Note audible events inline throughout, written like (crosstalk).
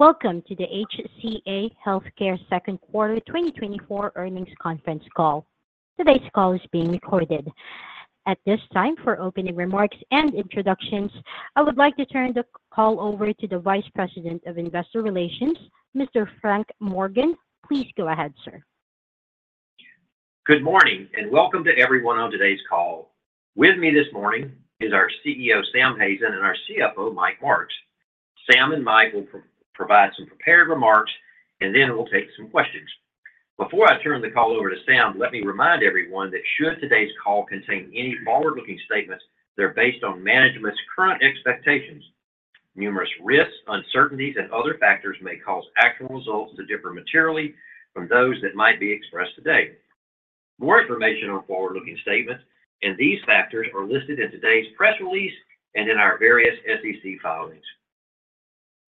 Welcome to the HCA Healthcare Q2 2024 Earnings Conference Call. Today's call is being recorded. At this time, for opening remarks and introductions, I would like to turn the call over to the Vice President of Investor Relations, Mr. Frank Morgan. Please go ahead, sir. Good morning and welcome to everyone on today's call. With me this morning is our CEO, Sam Hazen, and our CFO, Mike Marks. Sam and Mike will provide some prepared remarks, and then we'll take some questions. Before I turn the call over to Sam, let me remind everyone that should today's call contain any forward-looking statements, they're based on management's current expectations. Numerous risks, uncertainties, and other factors may cause actual results to differ materially from those that might be expressed today. More information on forward-looking statements and these factors are listed in today's press release and in our various SEC filings.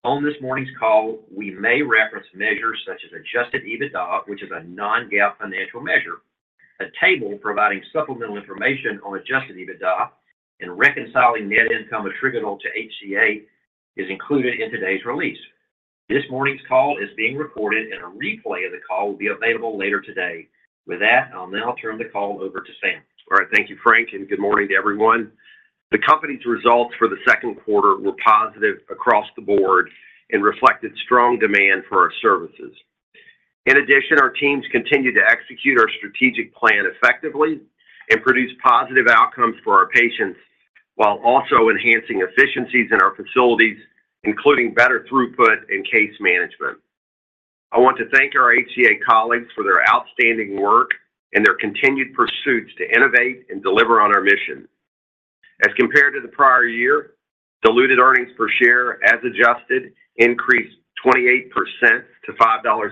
On this morning's call, we may reference measures such as Adjusted EBITDA, which is a non-GAAP financial measure. A table providing supplemental information on Adjusted EBITDA and reconciling net income attributable to HCA is included in today's release. This morning's call is being recorded, and a replay of the call will be available later today. With that, I'll now turn the call over to Sam. All right. Thank you, Frank, and good morning to everyone. The company's results for the Q2 were positive across the board and reflected strong demand for our services. In addition, our teams continue to execute our strategic plan effectively and produce positive outcomes for our patients while also enhancing efficiencies in our facilities, including better throughput and case management. I want to thank our HCA colleagues for their outstanding work and their continued pursuits to innovate and deliver on our mission. As compared to the prior year, diluted earnings per share as adjusted increased 28% to $5.50.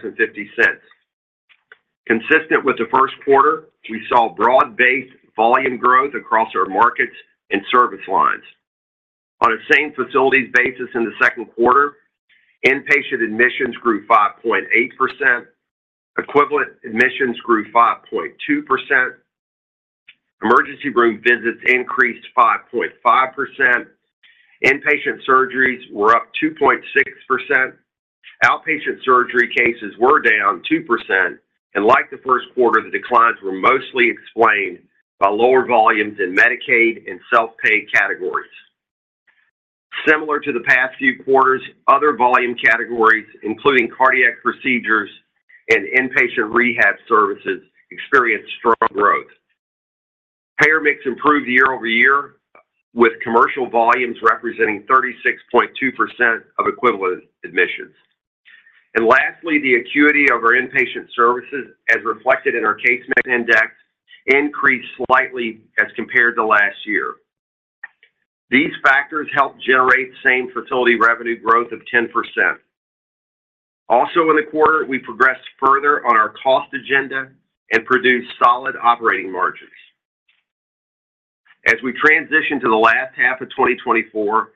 Consistent with the Q1, we saw broad-based volume growth across our markets and service lines. On a same facilities basis in the Q2, inpatient admissions grew 5.8%, equivalent admissions grew 5.2%, emergency room visits increased 5.5%, inpatient surgeries were up 2.6%, outpatient surgery cases were down 2%, and like the Q1, the declines were mostly explained by lower volumes in Medicaid and self-pay categories. Similar to the past few quarters, other volume categories, including cardiac procedures and inpatient rehab services, experienced strong growth. Payer mix improved year-over-year, with commercial volumes representing 36.2% of equivalent admissions. Lastly, the acuity of our inpatient services, as reflected in our case mix index, increased slightly as compared to last year. These factors helped generate same facility revenue growth of 10%. Also, in the quarter, we progressed further on our cost agenda and produced solid operating margins. As we transition to the last half of 2024,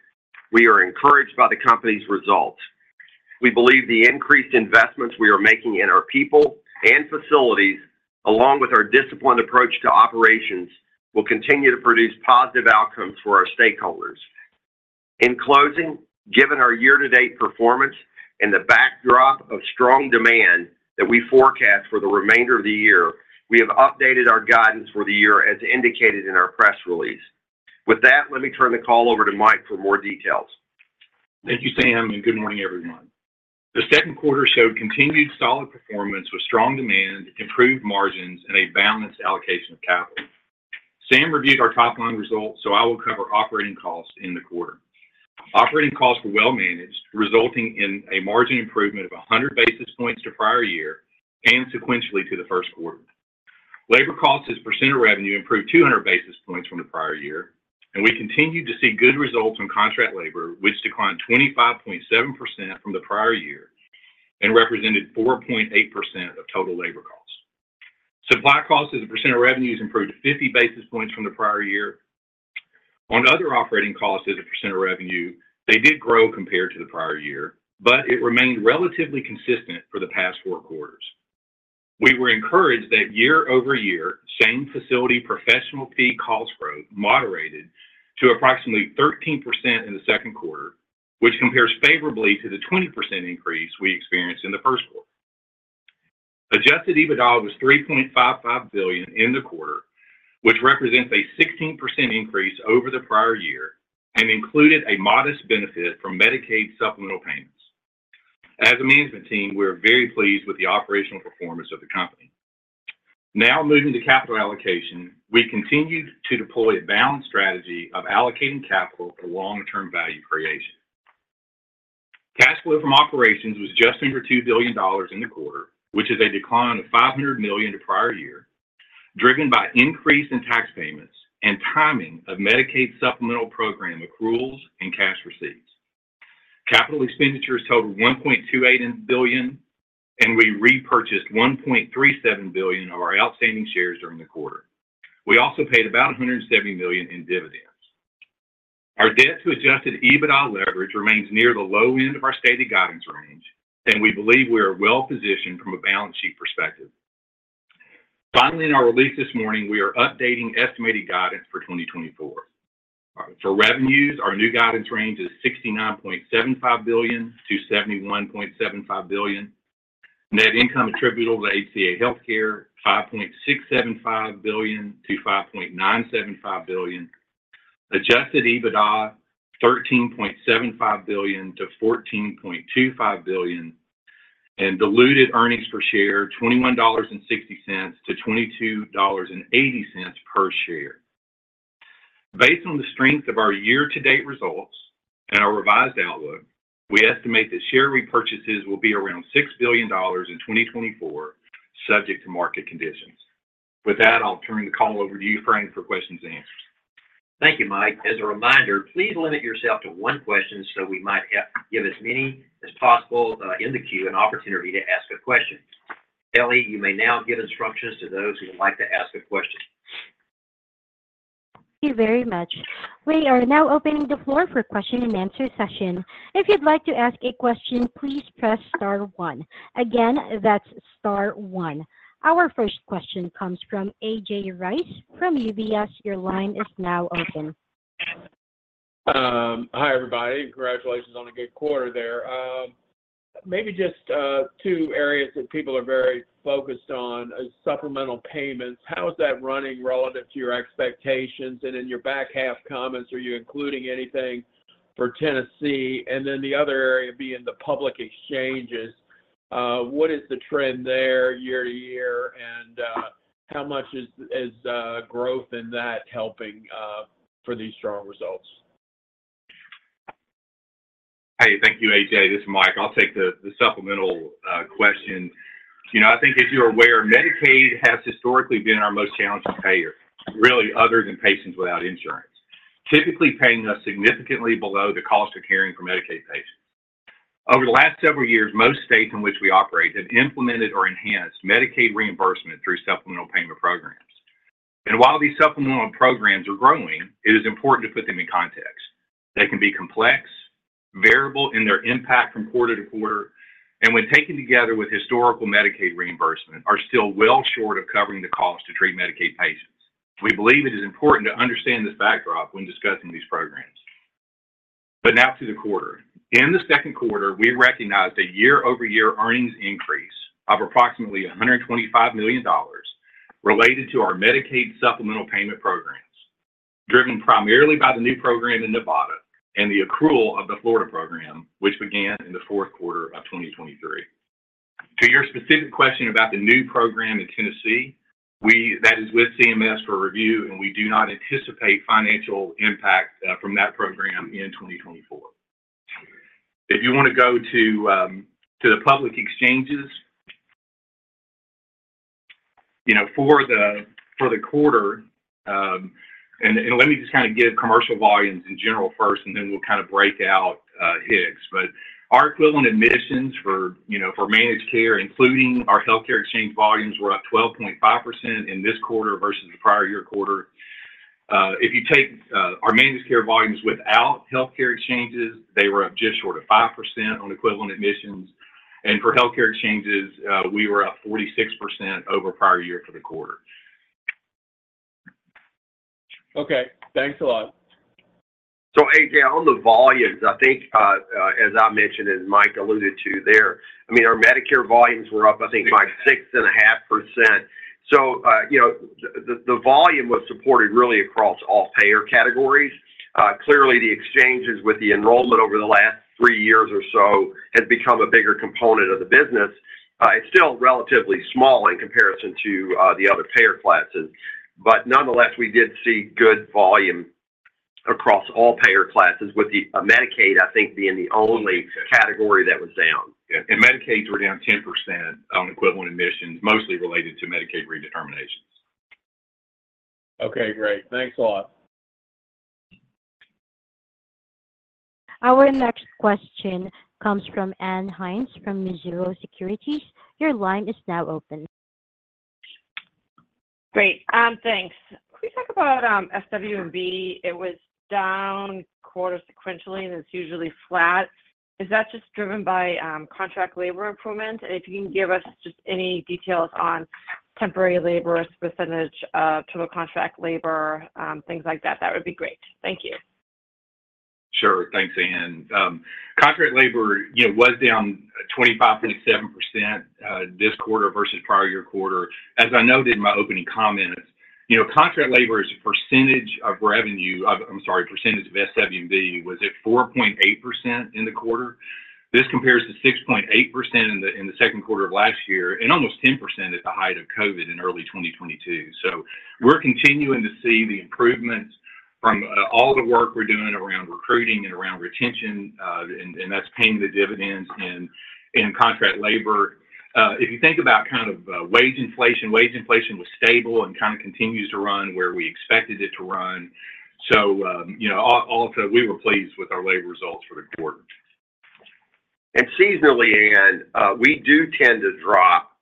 we are encouraged by the company's results. We believe the increased investments we are making in our people and facilities, along with our disciplined approach to operations, will continue to produce positive outcomes for our stakeholders. In closing, given our year-to-date performance and the backdrop of strong demand that we forecast for the remainder of the year, we have updated our guidance for the year as indicated in our press release. With that, let me turn the call over to Mike for more details. Thank you, Sam, and good morning, everyone. The Q2 showed continued solid performance with strong demand, improved margins, and a balanced allocation of capital. Sam reviewed our top-line results, so I will cover operating costs in the quarter. Operating costs were well managed, resulting in a margin improvement of 100 basis points to prior year and sequentially to the Q1. Labor costs as percent of revenue improved 200 basis points from the prior year, and we continued to see good results on contract labor, which declined 25.7% from the prior year and represented 4.8% of total labor costs. Supply costs as a percent of revenues improved 50 basis points from the prior year. On other operating costs as a percent of revenue, they did grow compared to the prior year, but it remained relatively consistent for the past four quarters. We were encouraged that year-over-year, same facility professional fee cost growth moderated to approximately 13% in the Q2, which compares favorably to the 20% increase we experienced in the Q1. Adjusted EBITDA was $3.55 billion in the quarter, which represents a 16% increase over the prior year and included a modest benefit from Medicaid supplemental payments. As a management team, we are very pleased with the operational performance of the company. Now moving to capital allocation, we continued to deploy a balanced strategy of allocating capital for longer-term value creation. Cash flow from operations was just under $2 billion in the quarter, which is a decline of $500 million to prior year, driven by increase in tax payments and timing of Medicaid supplemental program accruals and cash receipts. Capital expenditures totaled $1.28 billion, and we repurchased $1.37 billion of our outstanding shares during the quarter. We also paid about $170 million in dividends. Our debt to Adjusted EBITDA leverage remains near the low end of our stated guidance range, and we believe we are well positioned from a balance sheet perspective. Finally, in our release this morning, we are updating estimated guidance for 2024. For revenues, our new guidance range is $69.75 billion-$71.75 billion. Net income attributable to HCA Healthcare; $5.675 billion-$5.975 billion. Adjusted EBITDA; $13.75 billion-$14.25 billion. And diluted earnings per share; $21.60-$22.80 per share. Based on the strength of our year-to-date results and our revised outlook, we estimate that share repurchases will be around $6 billion in 2024, subject to market conditions. With that, I'll turn the call over to you, Frank, for questions and answers. Thank you, Mike. As a reminder, please limit yourself to one question so we might give as many as possible in the queue an opportunity to ask a question. Ellie, you may now give instructions to those who would like to ask a question. Thank you very much. We are now opening the floor for a question-and-answer session. If you'd like to ask a question, please press star one. Again, that's star one. Our first question comes from A.J. Rice from UBS. Your line is now open. Hi, everybody. Congratulations on a good quarter there. Maybe just two areas that people are very focused on is supplemental payments. How is that running relative to your expectations? And in your back half comments, are you including anything for Tennessee? And then the other area being the public exchanges, what is the trend there year-to-year, and how much is growth in that helping for these strong results? Hey, thank you, A.J. This is Mike. I'll take the supplemental question. I think, as you're aware, Medicaid has historically been our most challenging payer, really, other than patients without insurance, typically paying us significantly below the cost of caring for Medicaid patients. Over the last several years, most states in which we operate have implemented or enhanced Medicaid reimbursement through supplemental payment programs. And while these supplemental programs are growing, it is important to put them in context. They can be complex, variable in their impact from quarter to quarter, and when taken together with historical Medicaid reimbursement, are still well short of covering the cost to treat Medicaid patients. We believe it is important to understand this backdrop when discussing these programs. But now to the quarter. In the Q2, we recognized a year-over-year earnings increase of approximately $125 million related to our Medicaid supplemental payment programs, driven primarily by the new program in Nevada and the accrual of the Florida program, which began in the Q4 of 2023. To your specific question about the new program in Tennessee, that is with CMS for review, and we do not anticipate financial impact from that program in 2024. If you want to go to the public exchanges for the quarter, and let me just kind of give commercial volumes in general first, and then we'll kind of break out HCA's. But our equivalent admissions for managed care, including our healthcare exchange volumes, were up 12.5% in this quarter versus the prior year quarter. If you take our managed care volumes without healthcare exchanges, they were up just short of 5% on equivalent admissions. For healthcare exchanges, we were up 46% over prior year for the quarter. Okay. Thanks a lot. So, A.J., on the volumes, I think, as I mentioned, as Mike alluded to there, I mean, our Medicare volumes were up, I think, by 6.5%. So the volume was supported really across all payer categories. Clearly, the exchanges with the enrollment over the last three years or so have become a bigger component of the business. It's still relatively small in comparison to the other payer classes. But nonetheless, we did see good volume across all payer classes, with Medicaid, I think, being the only category that was down. Medicaids were down 10% on equivalent admissions, mostly related to Medicaid redeterminations. Okay. Great. Thanks a lot. Our next question comes from Ann Hynes from Mizuho Securities. Your line is now open. Great. Thanks. Can we talk about SW&B? It was down quarter-sequentially, and it's usually flat. Is that just driven by contract labor improvement? And if you can give us just any details on temporary labor, percentage of total contract labor, things like that, that would be great. Thank you. Sure. Thanks, Ann. Contract labor was down 25.7% this quarter versus prior year quarter. As I noted in my opening comments, contract labor is a percentage of revenue, I'm sorry, percentage of SW&B. Was it 4.8% in the quarter? This compares to 6.8% in the Q2 of last year and almost 10% at the height of COVID in early 2022. So we're continuing to see the improvements from all the work we're doing around recruiting and around retention, and that's paying the dividends in contract labor. If you think about kind of wage inflation, wage inflation was stable and kind of continues to run where we expected it to run. So all in all, we were pleased with our labor results for the quarter. Seasonally, Ann, we do tend to drop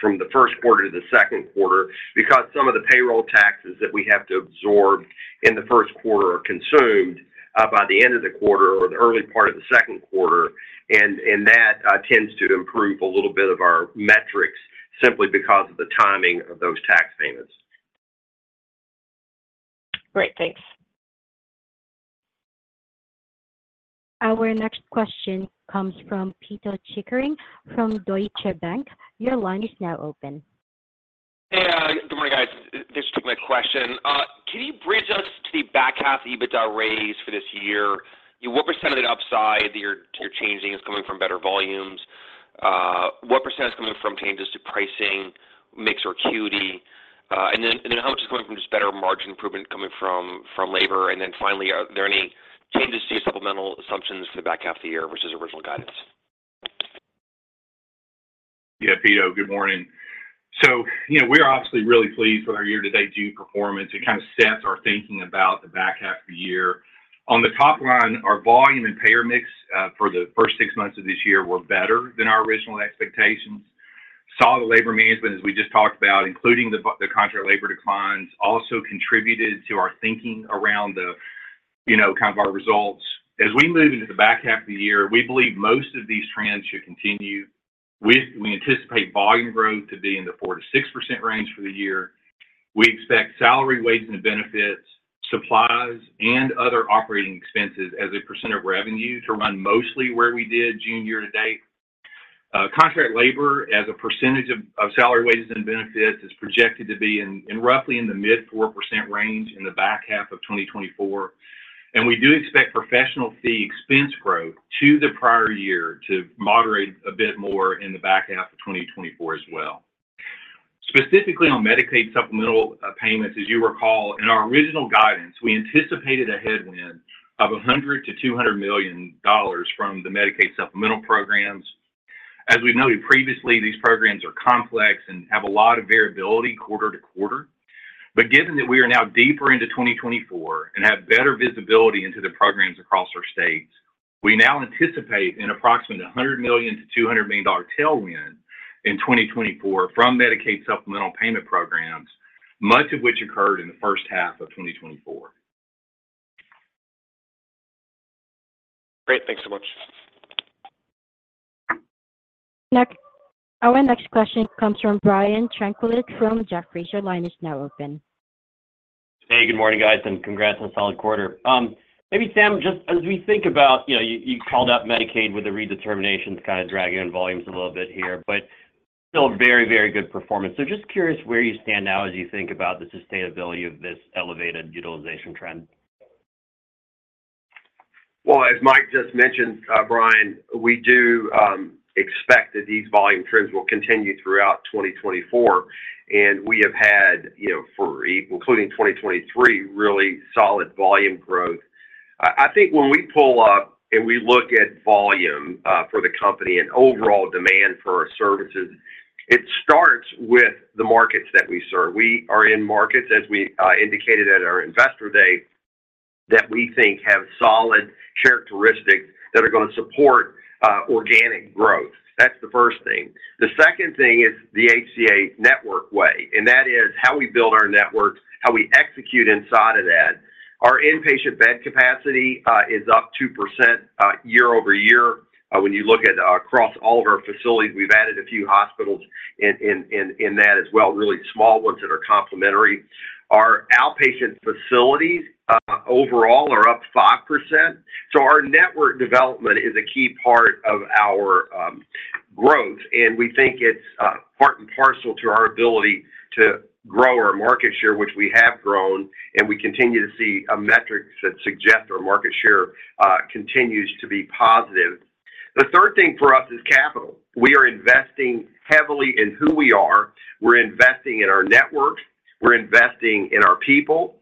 from the Q1 to the Q2 because some of the payroll taxes that we have to absorb in the Q1 are consumed by the end of the quarter or the early part of the Q2. That tends to improve a little bit of our metrics simply because of the timing of those tax payments. Great. Thanks. Our next question comes from Pito Chickering from Deutsche Bank. Your line is now open. Hey, good morning, guys. Thanks for taking my question. Can you bridge us to the back half EBITDA raise for this year? What percent of the upside that you're changing is coming from better volumes? What percent is coming from changes to pricing, mix or acuity? And then how much is coming from just better margin improvement coming from labor? And then finally, are there any changes to your supplemental assumptions for the back half of the year versus original guidance? Yeah, Pito, good morning. So we are obviously really pleased with our year-to-date Q2 performance. It kind of sets our thinking about the back half of the year. On the top line, our volume and payer mix for the first six months of this year were better than our original expectations. Solid labor management, as we just talked about, including the contract labor declines, also contributed to our thinking around kind of our results. As we move into the back half of the year, we believe most of these trends should continue. We anticipate volume growth to be in the 4%-6% range for the year. We expect salary, wages, and benefits, supplies, and other operating expenses as a percent of revenue to run mostly where we did June year to date. Contract labor, as a percentage of salary, wages, and benefits, is projected to be roughly in the mid-4% range in the back half of 2024. And we do expect professional fee expense growth to the prior year to moderate a bit more in the back half of 2024 as well. Specifically on Medicaid supplemental payments, as you recall, in our original guidance, we anticipated a headwind of $100 million-$200 million from the Medicaid supplemental programs. As we've noted previously, these programs are complex and have a lot of variability quarter to quarter. But given that we are now deeper into 2024 and have better visibility into the programs across our states, we now anticipate an approximate $100 million-$200 million tailwind in 2024 from Medicaid supplemental payment programs, much of which occurred in the first half of 2024. Great. Thanks so much. Our next question comes from Brian Tanquilut from Jefferies. Line is now open. Hey, good morning, guys, and congrats on solid quarter. Maybe, Sam, just as we think about you called out Medicaid with the redeterminations kind of dragging on volumes a little bit here, but still very, very good performance. So just curious where you stand now as you think about the sustainability of this elevated utilization trend? Well, as Mike just mentioned, Brian, we do expect that these volume trends will continue throughout 2024. We have had, including 2023, really solid volume growth. I think when we pull up and we look at volume for the company and overall demand for our services, it starts with the markets that we serve. We are in markets, as we indicated at our investor day, that we think have solid characteristics that are going to support organic growth. That's the first thing. The second thing is the HCA network way. And that is how we build our networks, how we execute inside of that. Our inpatient bed capacity is up 2% year-over-year. When you look across all of our facilities, we've added a few hospitals in that as well, really small ones that are complementary. Our outpatient facilities overall are up 5%. Our network development is a key part of our growth. We think it's part and parcel to our ability to grow our market share, which we have grown. We continue to see metrics that suggest our market share continues to be positive. The third thing for us is capital. We are investing heavily in who we are. We're investing in our networks. We're investing in our people.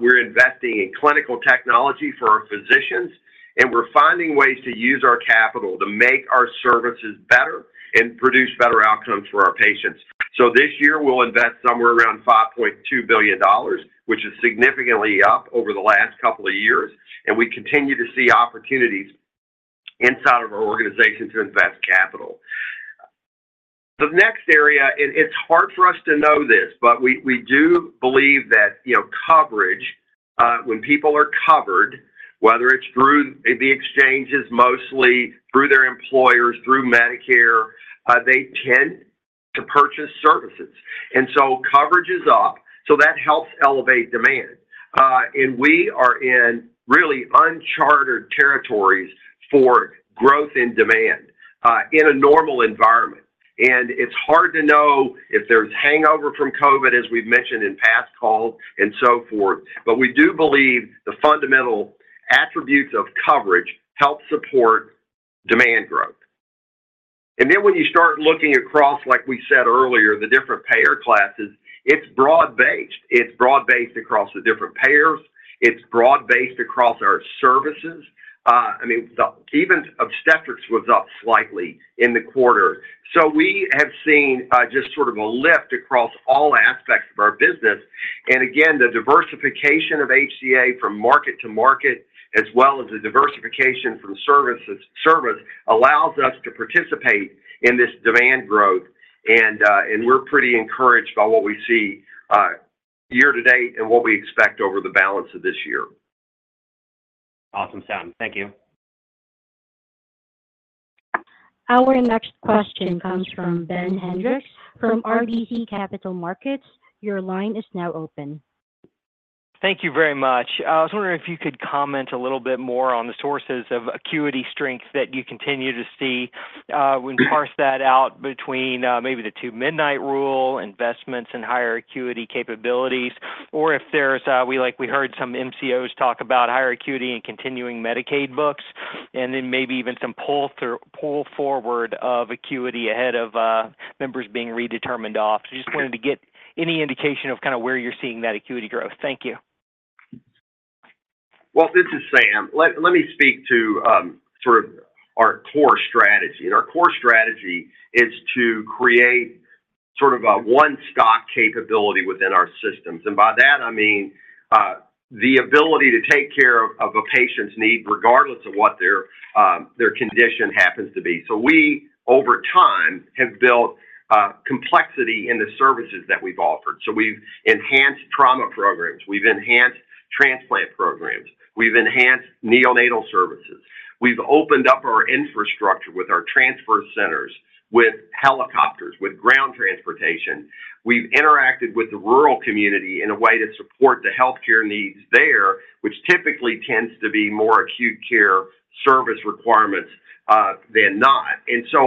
We're investing in clinical technology for our physicians. We're finding ways to use our capital to make our services better and produce better outcomes for our patients. This year, we'll invest somewhere around $5.2 billion, which is significantly up over the last couple of years. We continue to see opportunities inside of our organization to invest capital. The next area, and it's hard for us to know this, but we do believe that coverage, when people are covered, whether it's through the exchanges, mostly through their employers, through Medicare, they tend to purchase services. And so coverage is up. So that helps elevate demand. And we are in really uncharted territories for growth in demand in a normal environment. And it's hard to know if there's hangover from COVID, as we've mentioned in past calls and so forth. But we do believe the fundamental attributes of coverage help support demand growth. And then when you start looking across, like we said earlier, the different payer classes, it's broad-based. It's broad-based across the different payers. It's broad-based across our services. I mean, even obstetrics was up slightly in the quarter. So we have seen just sort of a lift across all aspects of our business. Again, the diversification of HCA from market to market, as well as the diversification from service allows us to participate in this demand growth. We're pretty encouraged by what we see year to date and what we expect over the balance of this year. Awesome, Sam. Thank you. Our next question comes from Ben Hendrix from RBC Capital Markets. Your line is now open. Thank you very much. I was wondering if you could comment a little bit more on the sources of acuity strength that you continue to see when parsed that out between maybe the Two-Midnight Rule investments and higher acuity capabilities, or if there's, like we heard some MCOs talk about higher acuity and continuing Medicaid books, and then maybe even some pull forward of acuity ahead of members being redetermined off. So just wanted to get any indication of kind of where you're seeing that acuity growth. Thank you. Well, this is Sam. Let me speak to sort of our core strategy. Our core strategy is to create sort of a one-stop capability within our systems. By that, I mean the ability to take care of a patient's need regardless of what their condition happens to be. We, over time, have built complexity in the services that we've offered. We've enhanced trauma programs. We've enhanced transplant programs. We've enhanced neonatal services. We've opened up our infrastructure with our transfer centers, with helicopters, with ground transportation. We've interacted with the rural community in a way to support the healthcare needs there, which typically tends to be more acute care service requirements than not.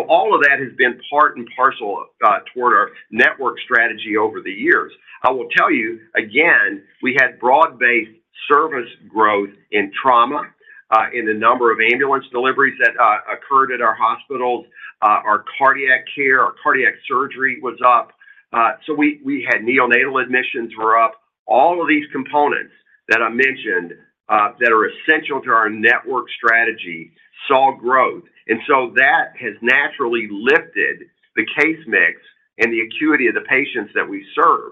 All of that has been part and parcel toward our network strategy over the years. I will tell you, again, we had broad-based service growth in trauma in the number of ambulance deliveries that occurred at our hospitals. Our cardiac care, our cardiac surgery was up. So we had neonatal admissions were up. All of these components that I mentioned that are essential to our network strategy saw growth. And so that has naturally lifted the case mix and the acuity of the patients that we serve.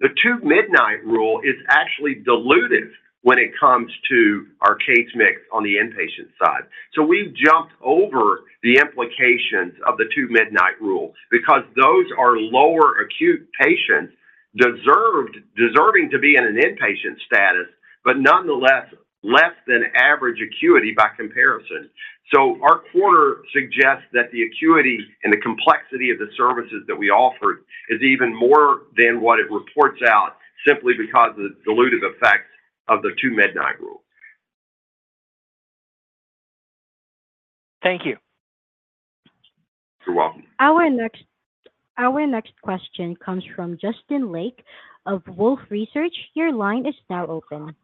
The Two-Midnight Rule is actually diluted when it comes to our case mix on the inpatient side. So we've jumped over the implications of the Two-Midnight Rule because those are lower acute patients deserving to be in an inpatient status, but nonetheless less than average acuity by comparison. Our quarter suggests that the acuity and the complexity of the services that we offered is even more than what it reports out simply because of the diluted effects of the Two-Midnight Rule. Thank you. You're welcome. Our next question comes from Justin Lake of Wolfe Research. Your line is now open.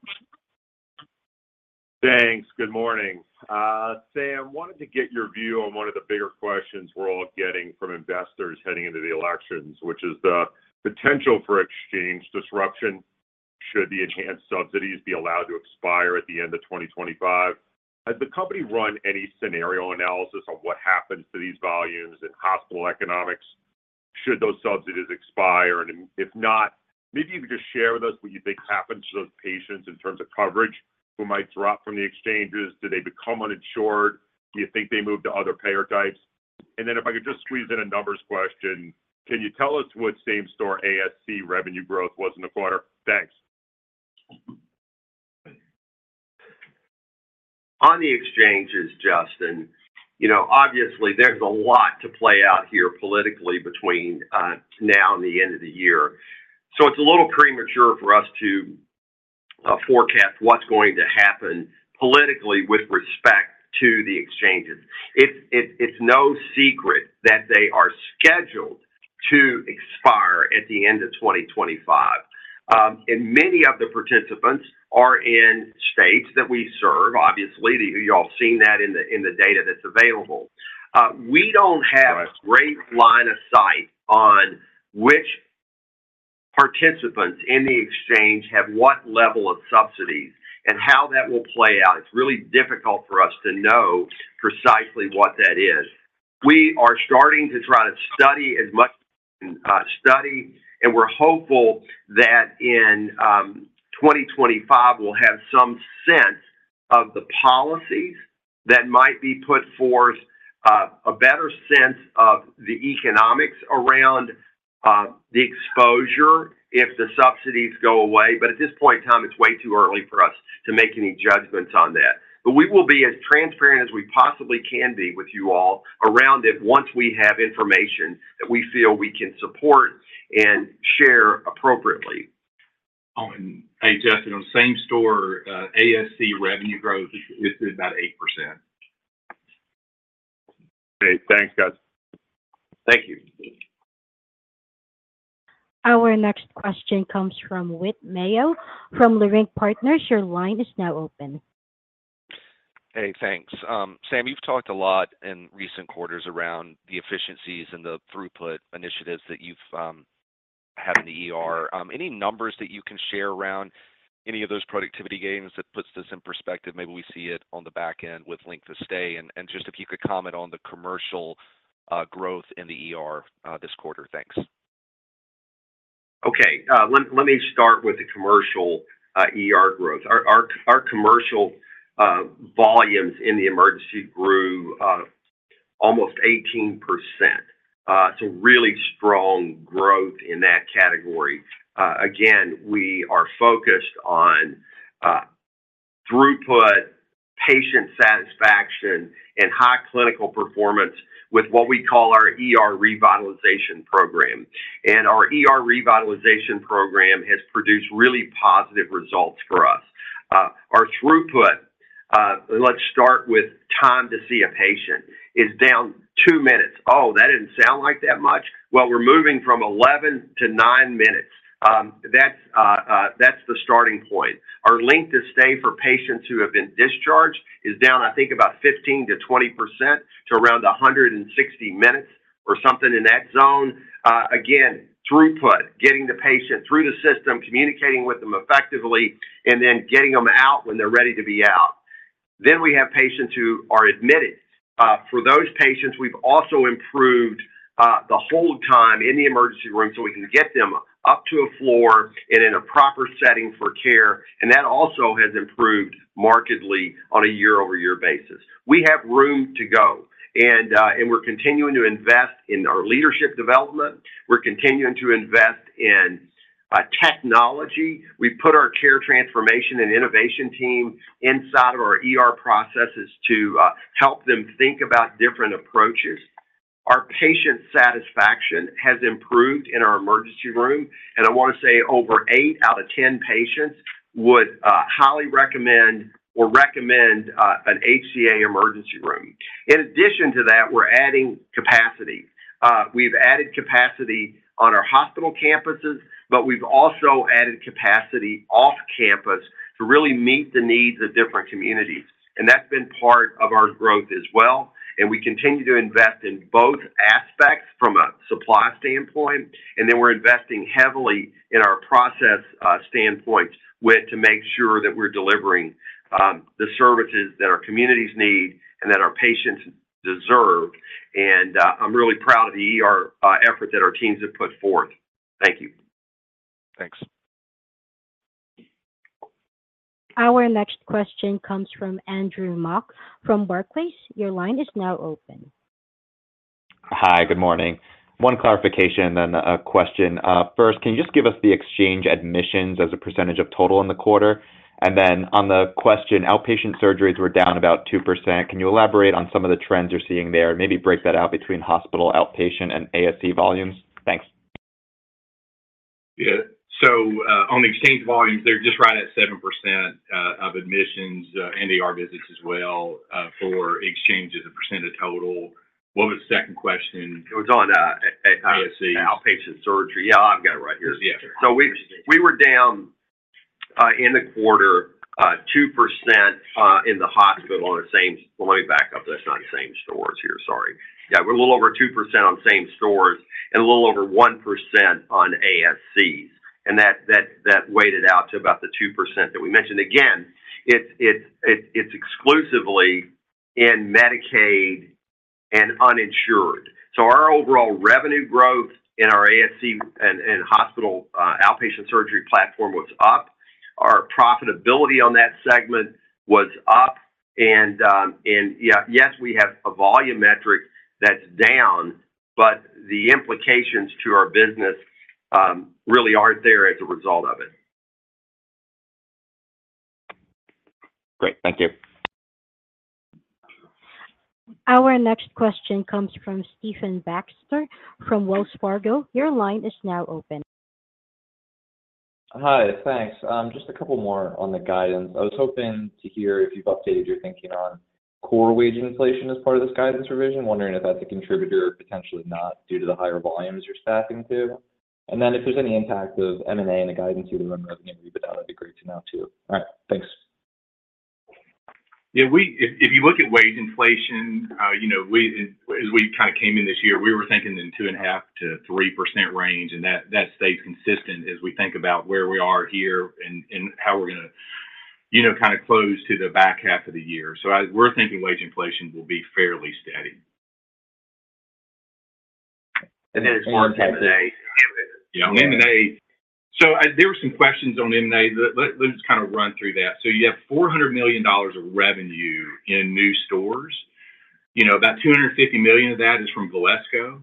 Thanks. Good morning. Sam, wanted to get your view on one of the bigger questions we're all getting from investors heading into the elections, which is the potential for exchange disruption. Should the enhanced subsidies be allowed to expire at the end of 2025? Has the company run any scenario analysis on what happens to these volumes and hospital economics? Should those subsidies expire? And if not, maybe you could just share with us what you think happens to those patients in terms of coverage who might drop from the exchanges. Do they become uninsured? Do you think they move to other payer types? And then if I could just squeeze in a numbers question, can you tell us what same-store ASC revenue growth was in the quarter? Thanks. On the exchanges, Justin, obviously, there's a lot to play out here politically between now and the end of the year. So it's a little premature for us to forecast what's going to happen politically with respect to the exchanges. It's no secret that they are scheduled to expire at the end of 2025. And many of the participants are in states that we serve, obviously. You've all seen that in the data that's available. We don't have a great line of sight on which participants in the exchange have what level of subsidies and how that will play out. It's really difficult for us to know precisely what that is. We are starting to try to study as much as we can study. We're hopeful that in 2025, we'll have some sense of the policies that might be put forth, a better sense of the economics around the exposure if the subsidies go away. At this point in time, it's way too early for us to make any judgments on that. We will be as transparent as we possibly can be with you all around it once we have information that we feel we can support and share appropriately. Hey, Justin, on the same store, ASC revenue growth is about 8%. Hey, thanks, guys. Thank you. Our next question comes from Whit Mayo from Leerink Partners. Your line is now open. Hey, thanks. Sam, you've talked a lot in recent quarters around the efficiencies and the throughput initiatives that you've had in them. Any numbers that you can share around any of those productivity gains that puts this in perspective? Maybe we see it on the back end with length of stay. Just if you could comment on the commercial growth in this quarter. Thanks. Okay. Let me start with the commercial growth. Our commercial volumes in the emergency grew almost 18%. It's a really strong growth in that category. Again, we are focused on throughput, patient satisfaction, and high clinical performance with what we call our revitalization program. Our revitalization program has produced really positive results for us. Our throughput, let's start with time to see a patient, is down two minutes. Oh, that didn't sound like that much. Well, we're moving from 11 to nine minutes. That's the starting point. Our length of stay for patients who have been discharged is down, I think, about 15%-20% to around 160 minutes or something in that zone. Again, throughput, getting the patient through the system, communicating with them effectively, and then getting them out when they're ready to be out. Then we have patients who are admitted. For those patients, we've also improved the hold time in the emergency room so we can get them up to a floor and in a proper setting for care. That also has improved markedly on a year-over-year basis. We have room to go. We're continuing to invest in our leadership development. We're continuing to invest in technology. We put our Care Transformation and Innovation team inside of our processes to help them think about different approaches. Our patient satisfaction has improved in our emergency room. I want to say over eight out of 10 patients would highly recommend or recommend an HCA emergency room. In addition to that, we're adding capacity. We've added capacity on our hospital campuses, but we've also added capacity off-campus to really meet the needs of different communities. That's been part of our growth as well. We continue to invest in both aspects from a supply standpoint. Then we're investing heavily in our process standpoint to make sure that we're delivering the services that our communities need and that our patients deserve. I'm really proud of the effort that our teams have put forth. Thank you. Thanks. Our next question comes from Andrew Mok from Barclays. Your line is now open. Hi, good morning. One clarification and a question. First, can you just give us the exchange admissions as a percentage of total in the quarter? And then on the question, outpatient surgeries were down about 2%. Can you elaborate on some of the trends you're seeing there? Maybe break that out between hospital outpatient and ASC volumes. Thanks. Yeah. So on the exchange volumes, they're just right at 7% of admissions and visits as well for exchanges in percent of total. What was the second question? It was on ASC. Outpatient surgery. Yeah, I've got it right here. Yeah. So we were down in the quarter 2% in the hospital on the same, well, let me back up. That's not the same stores here. Sorry. Yeah, we're a little over 2% on same stores and a little over 1% on ASCs. And that weighted out to about the 2% that we mentioned. Again, it's exclusively in Medicaid and uninsured. So our overall revenue growth in our ASC and hospital outpatient surgery platform was up. Our profitability on that segment was up. And yes, we have a volume metric that's down, but the implications to our business really aren't there as a result of it. Great. Thank you. Our next question comes from Stephen Baxter from Wells Fargo. Your line is now open. Hi, thanks. Just a couple more on the guidance. I was hoping to hear if you've updated your thinking on core wage inflation as part of this guidance revision, wondering if that's a contributor or potentially not due to the higher volumes you're staffing to. And then if there's any impact of M&A and the guidance you remember of the interview, but that would be great to know too. All right. Thanks. Yeah. If you look at wage inflation, as we kind of came in this year, we were thinking in 2.5%-3% range. And that stays consistent as we think about where we are here and how we're going to kind of close to the back half of the year. So we're thinking wage inflation will be fairly steady. And then it's more M&A. Yeah, M&A. So there were some questions on M&A. Let me just kind of run through that. So you have $400 million of revenue in new stores. About $250 million of that is from Valesco.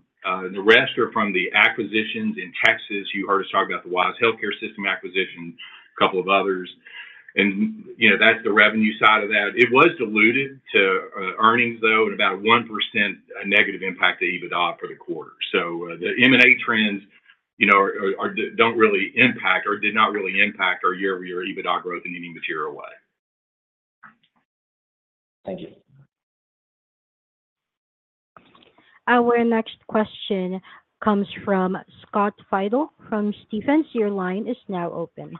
The rest are from the acquisitions in Texas. You heard us talk about the Wise Healthcare System acquisition, a couple of others. And that's the revenue side of that. It was diluted to earnings, though, and about 1% negative impact to EBITDA for the quarter. So the M&A trends don't really impact or did not really impact our year-over-year EBITDA growth in any material way. Thank you. Our next question comes from Scott Fidel from Stephens. Your line is now open.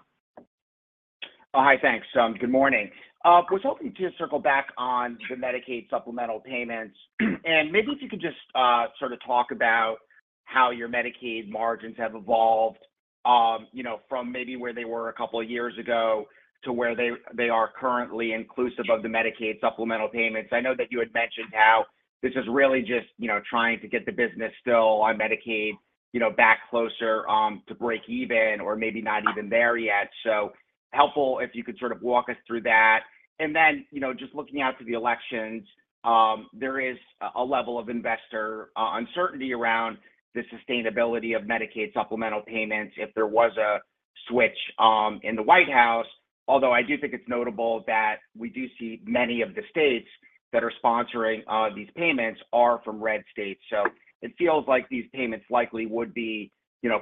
Oh, hi, thanks. Good morning. I was hoping to circle back on the Medicaid supplemental payments. And maybe if you could just sort of talk about how your Medicaid margins have evolved from maybe where they were a couple of years ago to where they are currently inclusive of the Medicaid supplemental payments. I know that you had mentioned how this is really just trying to get the business still on Medicaid back closer to break even or maybe not even there yet. So helpful if you could sort of walk us through that. And then just looking out to the elections, there is a level of investor uncertainty around the sustainability of Medicaid supplemental payments if there was a switch in the White House. Although I do think it's notable that we do see many of the states that are sponsoring these payments are from red states. So it feels like these payments likely would be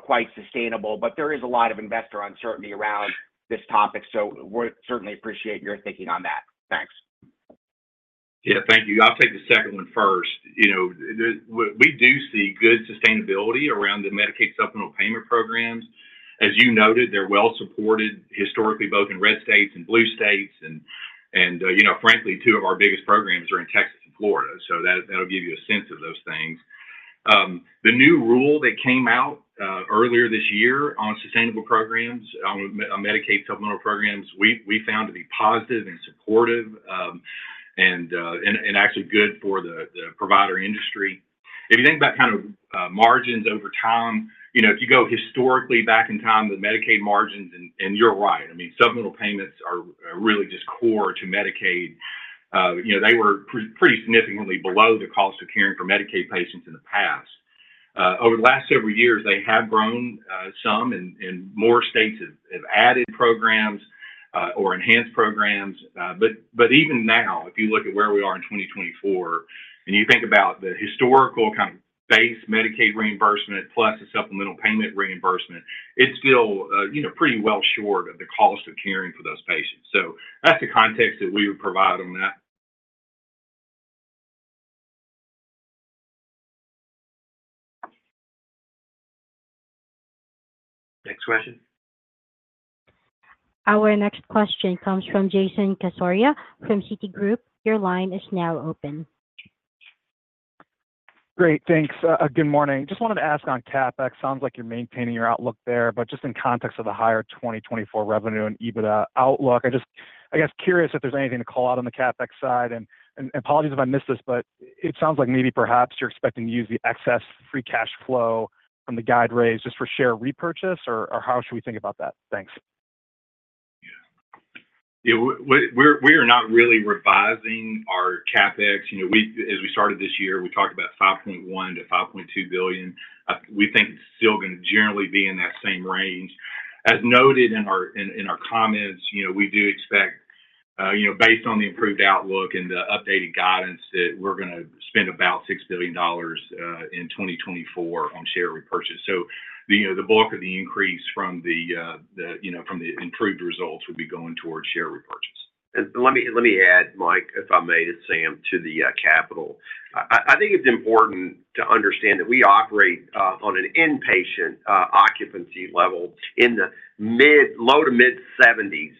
quite sustainable. But there is a lot of investor uncertainty around this topic. So we certainly appreciate your thinking on that. Thanks. Yeah, thank you. I'll take the second one first. We do see good sustainability around the Medicaid supplemental payment programs. As you noted, they're well-supported historically both in red states and blue states. And frankly, two of our biggest programs are in Texas and Florida. So that'll give you a sense of those things. The new rule that came out earlier this year on sustainable programs on Medicaid supplemental programs, we found to be positive and supportive and actually good for the provider industry. If you think about kind of margins over time, if you go historically back in time with Medicaid margins, and you're right, I mean, supplemental payments are really just core to Medicaid. They were pretty significantly below the cost of caring for Medicaid patients in the past. Over the last several years, they have grown some, and more states have added programs or enhanced programs. But even now, if you look at where we are in 2024 and you think about the historical kind of base Medicaid reimbursement plus the supplemental payment reimbursement, it's still pretty well short of the cost of caring for those patients. So that's the context that we would provide on that. Next question? Our next question comes from Jason Cassorla from Citigroup. Your line is now open. Great. Thanks. Good morning. Just wanted to ask on CapEx. Sounds like you're maintaining your outlook there. But just in context of the higher 2024 revenue and EBITDA outlook, I guess curious if there's anything to call out on the CapEx side. And apologies if I missed this, but it sounds like maybe perhaps you're expecting to use the excess free cash flow from the guide raise just for share repurchase, or how should we think about that? Thanks. Yeah. Yeah. We are not really revising our CapEx. As we started this year, we talked about $5.1 billion-$5.2 billion. We think it's still going to generally be in that same range. As noted in our comments, we do expect, based on the improved outlook and the updated guidance, that we're going to spend about $6 billion in 2024 on share repurchase. So the bulk of the increase from the improved results would be going towards share repurchase. Let me add, Mike, if I may, it's Sam, to the capital. I think it's important to understand that we operate on an inpatient occupancy level in the low to mid-70s,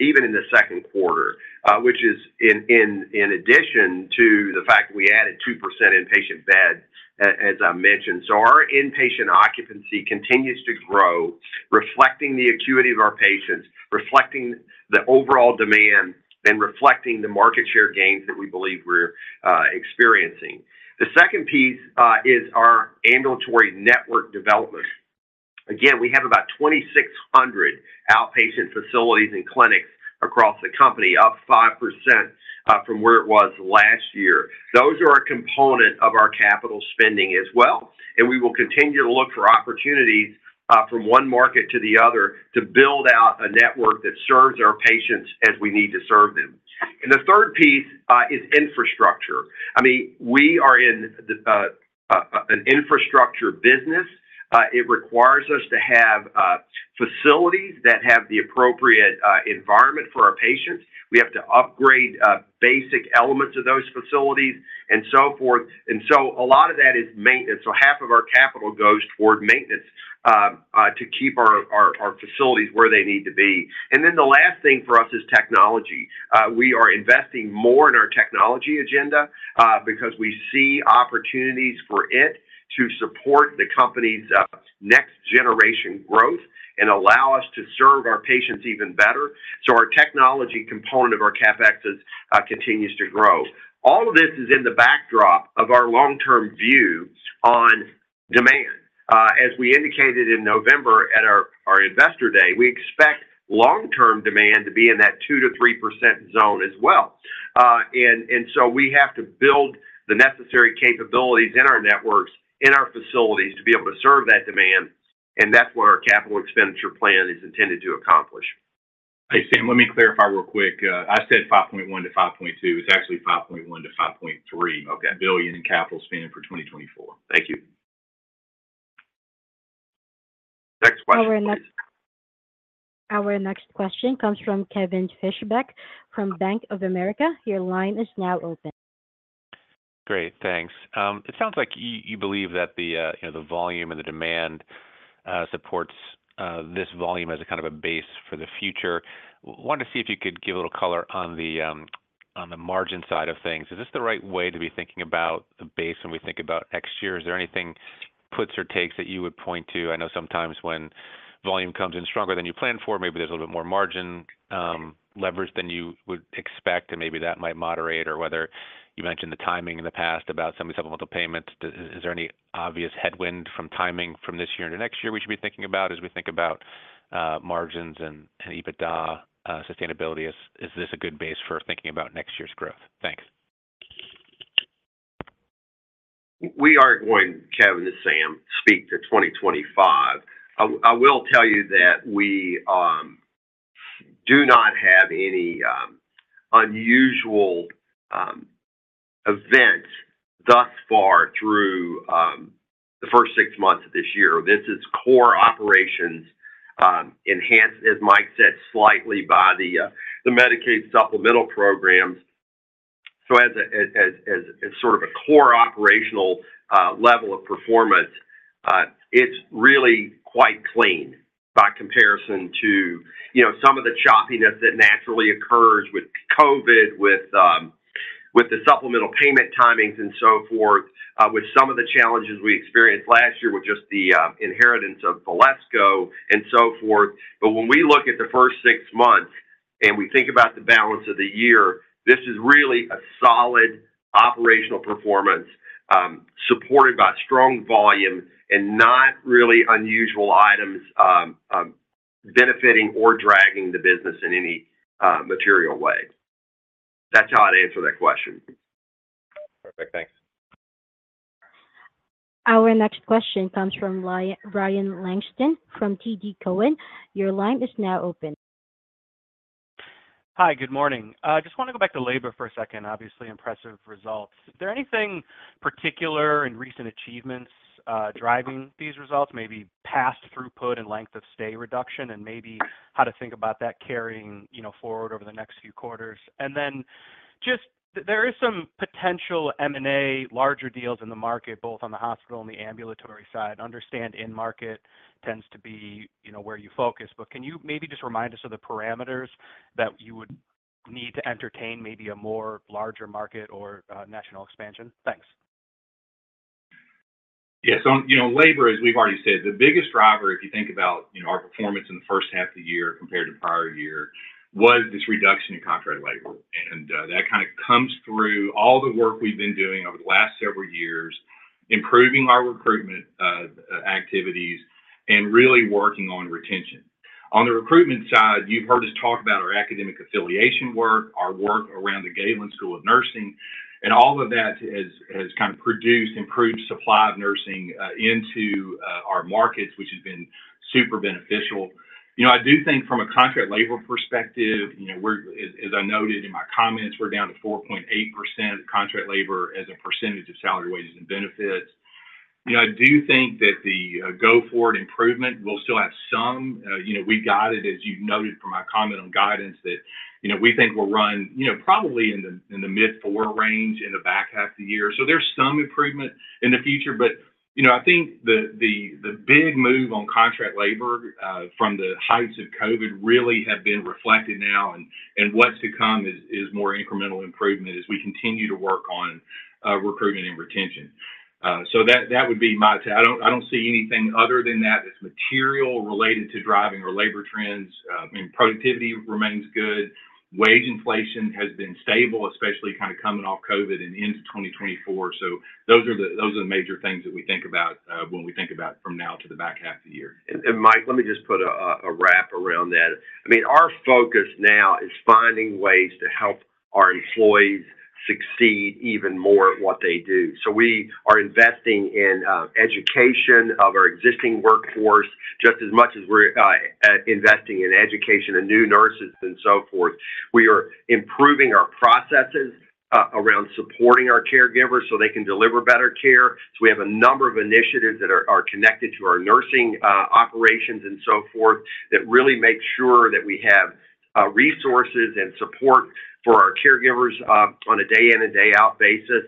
even in the Q2, which is in addition to the fact that we added 2% inpatient beds, as I mentioned. So our inpatient occupancy continues to grow, reflecting the acuity of our patients, reflecting the overall demand, and reflecting the market share gains that we believe we're experiencing. The second piece is our ambulatory network development. Again, we have about 2,600 outpatient facilities and clinics across the company, up 5% from where it was last year. Those are a component of our capital spending as well. We will continue to look for opportunities from one market to the other to build out a network that serves our patients as we need to serve them. The third piece is infrastructure. I mean, we are in an infrastructure business. It requires us to have facilities that have the appropriate environment for our patients. We have to upgrade basic elements of those facilities and so forth. And so a lot of that is maintenance. So half of our capital goes toward maintenance to keep our facilities where they need to be. And then the last thing for us is technology. We are investing more in our technology agenda because we see opportunities for it to support the company's next-generation growth and allow us to serve our patients even better. So our technology component of our CapEx continues to grow. All of this is in the backdrop of our long-term view on demand. As we indicated in November at our Investor Day, we expect long-term demand to be in that 2%-3% zone as well. We have to build the necessary capabilities in our networks, in our facilities to be able to serve that demand. That's what our capital expenditure plan is intended to accomplish. Hey, Sam, let me clarify real quick. I said $5.1 billion-$5.2 billion. It's actually $5.1 billion-$5.3 billion in capital spending for 2024. Thank you. Next question. (crosstalk) Our next question comes from Kevin Fischbeck from Bank of America. Your line is now open. Great. Thanks. It sounds like you believe that the volume and the demand supports this volume as a kind of a base for the future. I wanted to see if you could give a little color on the margin side of things. Is this the right way to be thinking about the base when we think about next year? Is there anything, puts or takes, that you would point to? I know sometimes when volume comes in stronger than you planned for, maybe there's a little bit more margin leverage than you would expect, and maybe that might moderate. Or whether you mentioned the timing in the past about some of the supplemental payments. Is there any obvious headwind from timing from this year into next year we should be thinking about as we think about margins and EBITDA sustainability? Is this a good base for thinking about next year's growth? Thanks. We are going, Kevin, this is Sam, to speak to 2025. I will tell you that we do not have any unusual events thus far through the first 6 months of this year. This is core operations, enhanced, as Mike said, slightly by the Medicaid supplemental programs. So as sort of a core operational level of performance, it's really quite clean by comparison to some of the choppiness that naturally occurs with COVID, with the supplemental payment timings and so forth, with some of the challenges we experienced last year with just the inheritance of Valesco and so forth. But when we look at the first six months and we think about the balance of the year, this is really a solid operational performance supported by strong volume and not really unusual items benefiting or dragging the business in any material way. That's how I'd answer that question. Perfect. Thanks. Our next question comes from Ryan Langston from TD Cowen. Your line is now open. Hi, good morning. I just want to go back to labor for a second. Obviously, impressive results. Is there anything particular and recent achievements driving these results, maybe past throughput and length of stay reduction, and maybe how to think about that carrying forward over the next few quarters? And then just there is some potential M&A larger deals in the market, both on the hospital and the ambulatory side. Understand in-market tends to be where you focus. But can you maybe just remind us of the parameters that you would need to entertain maybe a more larger market or national expansion? Thanks. Yeah. So labor, as we've already said, the biggest driver, if you think about our performance in the first half of the year compared to prior year, was this reduction in contract labor. And that kind of comes through all the work we've been doing over the last several years, improving our recruitment activities and really working on retention. On the recruitment side, you've heard us talk about our academic affiliation work, our work around the Galen School of Nursing. And all of that has kind of produced improved supply of nursing into our markets, which has been super beneficial. I do think from a contract labor perspective, as I noted in my comments, we're down to 4.8% of contract labor as a percentage of salary wages and benefits. I do think that the go-forward improvement will still have some. We've got it, as you noted from my comment on guidance, that we think we'll run probably in the mid-4% range in the back half of the year. So there's some improvement in the future. But I think the big move on contract labor from the heights of COVID really has been reflected now. And what's to come is more incremental improvement as we continue to work on recruitment and retention. So that would be my take. I don't see anything other than that that's material related to driving our labor trends. I mean, productivity remains good. Wage inflation has been stable, especially kind of coming off COVID and into 2024. So those are the major things that we think about when we think about from now to the back half of the year. Mike, let me just put a wrap around that. I mean, our focus now is finding ways to help our employees succeed even more at what they do. So we are investing in education of our existing workforce just as much as we're investing in education of new nurses and so forth. We are improving our processes around supporting our caregivers so they can deliver better care. So we have a number of initiatives that are connected to our nursing operations and so forth that really make sure that we have resources and support for our caregivers on a day-in and day-out basis.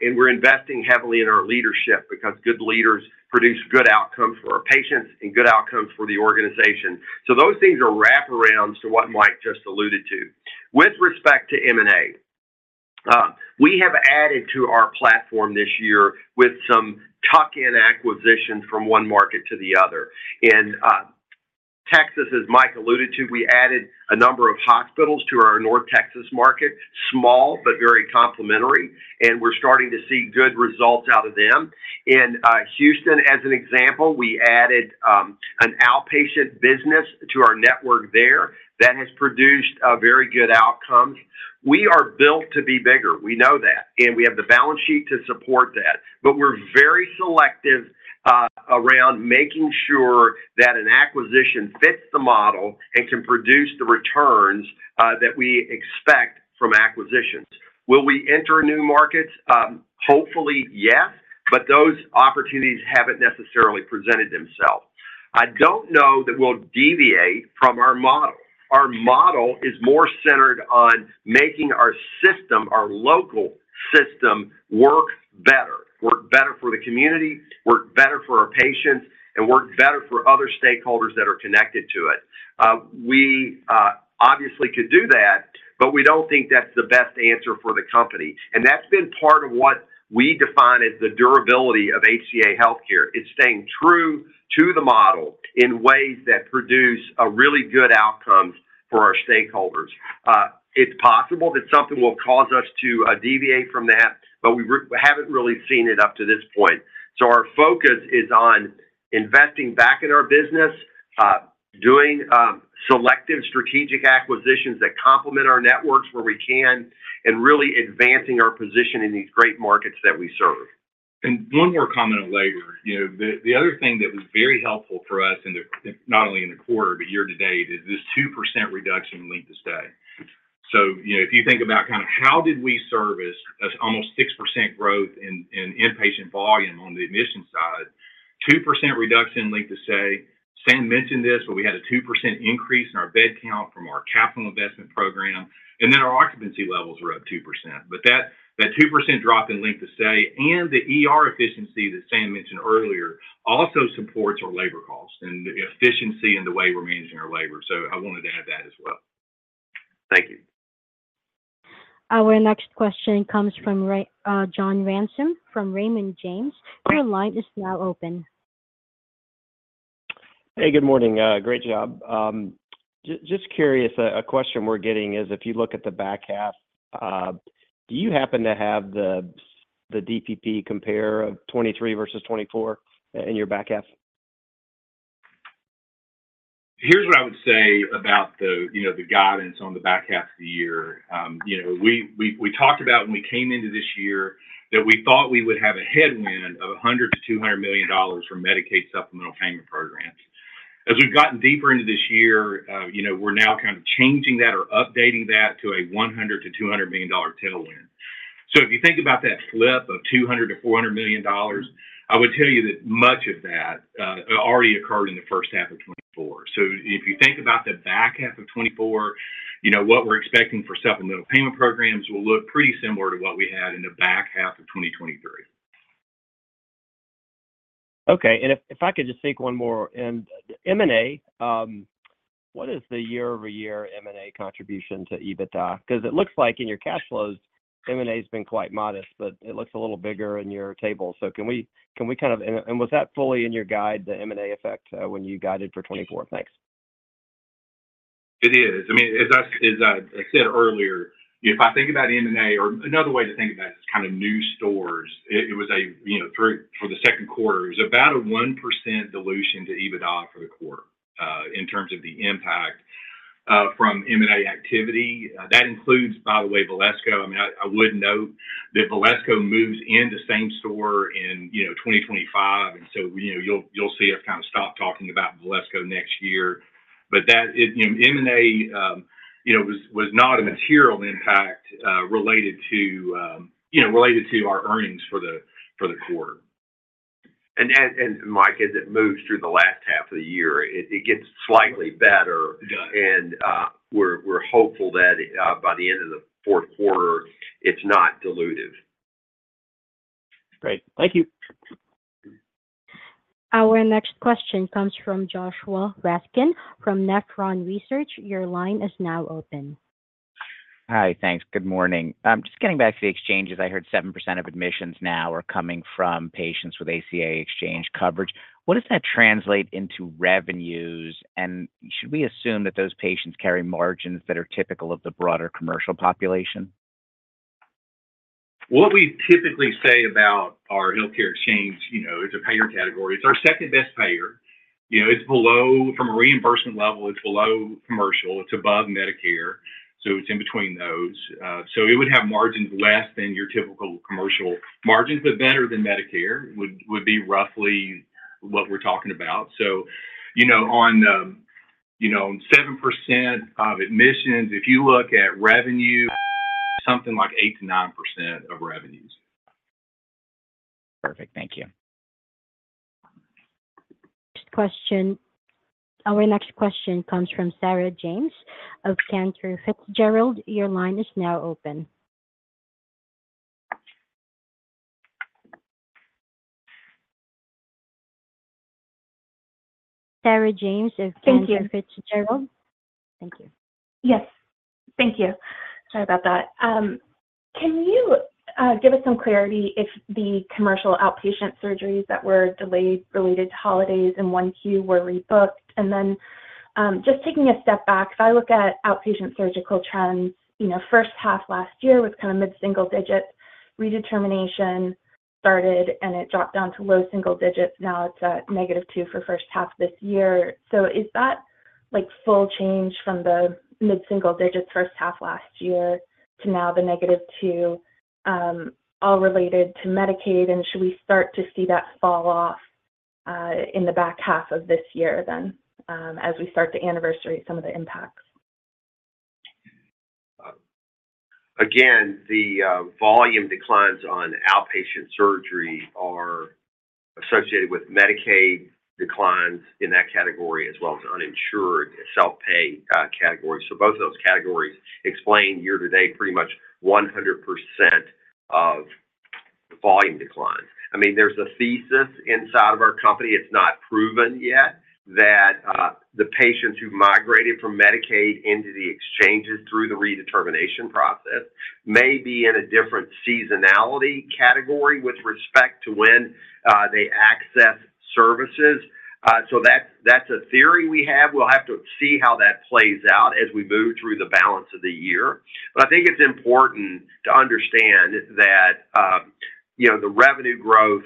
And we're investing heavily in our leadership because good leaders produce good outcomes for our patients and good outcomes for the organization. So those things are wraparounds to what Mike just alluded to. With respect to M&A, we have added to our platform this year with some tuck-in acquisitions from one market to the other. Texas, as Mike alluded to, we added a number of hospitals to our North Texas market, small but very complementary. We're starting to see good results out of them. In Houston, as an example, we added an outpatient business to our network there that has produced very good outcomes. We are built to be bigger. We know that. And we have the balance sheet to support that. But we're very selective around making sure that an acquisition fits the model and can produce the returns that we expect from acquisitions. Will we enter new markets? Hopefully, yes. But those opportunities haven't necessarily presented themselves. I don't know that we'll deviate from our model. Our model is more centered on making our system, our local system, work better, work better for the community, work better for our patients, and work better for other stakeholders that are connected to it. We obviously could do that, but we don't think that's the best answer for the company. That's been part of what we define as the durability of HCA Healthcare. It's staying true to the model in ways that produce really good outcomes for our stakeholders. It's possible that something will cause us to deviate from that, but we haven't really seen it up to this point. Our focus is on investing back in our business, doing selective strategic acquisitions that complement our networks where we can, and really advancing our position in these great markets that we serve. One more comment on labor. The other thing that was very helpful for us, not only in the quarter, but year to date, is this 2% reduction in length of stay. So if you think about kind of how did we service almost 6% growth in inpatient volume on the admission side, 2% reduction in length of stay. Sam mentioned this, but we had a 2% increase in our bed count from our capital investment program. Then our occupancy levels were up 2%. That 2% drop in length of stay and the efficiency that Sam mentioned earlier also supports our labor costs and the efficiency in the way we're managing our labor. I wanted to add that as well. Thank you. Our next question comes from John Ransom from Raymond James. Your line is now open. Hey, good morning. Great job. Just curious, a question we're getting is if you look at the back half, do you happen to have the DPP compare of 2023 versus 2024 in your back half? Here's what I would say about the guidance on the back half of the year. We talked about when we came into this year that we thought we would have a headwind of $100 million-$200 million for Medicaid supplemental payment programs. As we've gotten deeper into this year, we're now kind of changing that or updating that to a $100 million-$200 million tailwind. So if you think about that flip of $200 million-$400 million, I would tell you that much of that already occurred in the first half of 2024. So if you think about the back half of 2024, what we're expecting for supplemental payment programs will look pretty similar to what we had in the back half of 2023. Okay. And if I could just think one more. And M&A, what is the year-over-year M&A contribution to EBITDA? Because it looks like in your cash flows, M&A has been quite modest, but it looks a little bigger in your table. So can we kind of, and was that fully in your guide, the M&A effect when you guided for 2024? Thanks. It is. I mean, as I said earlier, if I think about M&A or another way to think about it is kind of new stores, it was for the Q2, it was about a 1% dilution to EBITDA for the quarter in terms of the impact from M&A activity. That includes, by the way, Valesco. I mean, I would note that Valesco moves into same store in 2025. And so you'll see us kind of stop talking about Valesco next year. But M&A was not a material impact related to our earnings for the quarter. Mike, as it moves through the last half of the year, it gets slightly better. We're hopeful that by the end of the Q4, it's not dilutive. Great. Thank you. Our next question comes from Joshua Raskin from Nephron Research. Your line is now open. Hi, thanks. Good morning. Just getting back to the exchanges, I heard 7% of admissions now are coming from patients with ACA exchange coverage. What does that translate into revenues? And should we assume that those patients carry margins that are typical of the broader commercial population? What we typically say about our healthcare exchange is a payer category. It's our second-best payer. It's below, from a reimbursement level, it's below commercial. It's above Medicare. So it's in between those. So it would have margins less than your typical commercial margins, but better than Medicare would be roughly what we're talking about. So on 7% of admissions, if you look at revenue, something like 8%-9% of revenues. Perfect. Thank you. Next question. Our next question comes from Sarah James of Cantor Fitzgerald. Your line is now open. Sarah James of Cantor Fitzgerald. Thank you. Yes. Thank you. Sorry about that. Can you give us some clarity if the commercial outpatient surgeries that were delayed related to holidays and 1Q were rebooked? And then just taking a step back, if I look at outpatient surgical trends, first half last year was kind of mid-single-digits. Redetermination started, and it dropped down to low single-digits. Now it's at negative two for first half this year. So is that full change from the mid-single-digits first half last year to now the negative two, all related to Medicaid? And should we start to see that fall off in the back half of this year then as we start to anniversary some of the impacts? Again, the volume declines on outpatient surgery are associated with Medicaid declines in that category as well as uninsured self-pay categories. So both of those categories explain year to date pretty much 100% of volume declines. I mean, there's a thesis inside of our company. It's not proven yet that the patients who migrated from Medicaid into the exchanges through the redetermination process may be in a different seasonality category with respect to when they access services. So that's a theory we have. We'll have to see how that plays out as we move through the balance of the year. But I think it's important to understand that the revenue growth,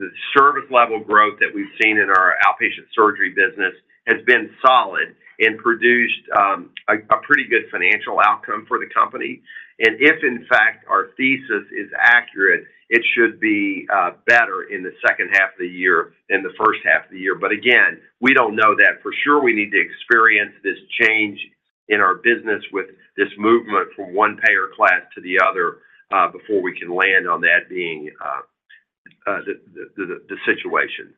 the service level growth that we've seen in our outpatient surgery business has been solid and produced a pretty good financial outcome for the company. If, in fact, our thesis is accurate, it should be better in the second half of the year than the first half of the year. Again, we don't know that for sure. We need to experience this change in our business with this movement from one payer class to the other before we can land on that being the situation.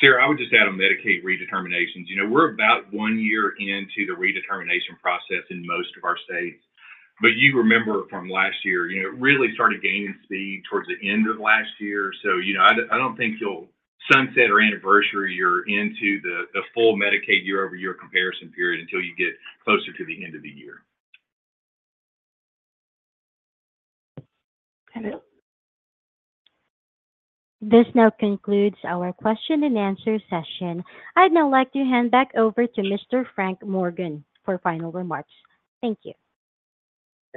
Sarah, I would just add on Medicaid redeterminations. We're about one year into the redetermination process in most of our states. But you remember from last year, it really started gaining speed towards the end of last year. So I don't think you'll sunset or anniversary year into the full Medicaid year-over-year comparison period until you get closer to the end of the year. This now concludes our question and answer session. I'd now like to hand back over to Mr. Frank Morgan for final remarks. Thank you.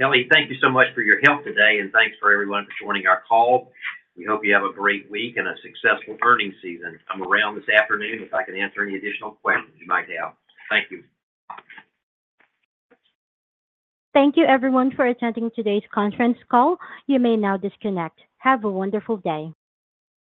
Ellie, thank you so much for your help today. Thanks to everyone for joining our call. We hope you have a great week and a successful earnings season. Come around this afternoon if I can answer any additional questions you might have. Thank you. Thank you, everyone, for attending today's conference call. You may now disconnect. Have a wonderful day.